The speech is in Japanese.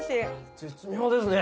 絶妙ですね